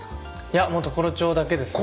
いやもう常呂町だけです。